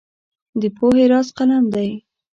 د پوهې راز قلم دی.